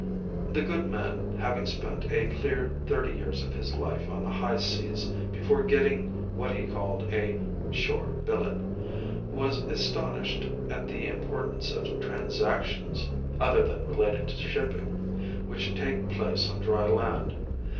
The good man, having spent a clear thirty years of his life on the high seas before getting what he called a "shore billet," was astonished at the importance of transactions (other than relating to shipping) which take place on dry land.